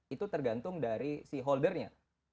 itu tergantung dari si holdernya